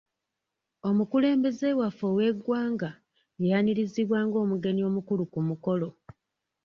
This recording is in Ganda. Omukulembeze waffe ow'eggwanga yayanirizibwa nga omugenyi omukulu ku mukolo.